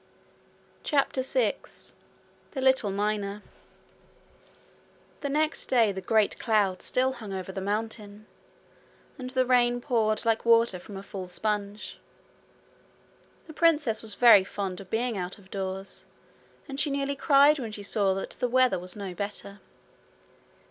CHAPTER 6 The Little Miner The next day the great cloud still hung over the mountain, and the rain poured like water from a full sponge. The princess was very fond of being out of doors, and she nearly cried when she saw that the weather was no better.